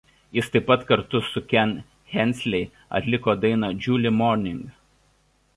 Jis taip pat kartu su Ken Hensley atliko dainą „July Morning“.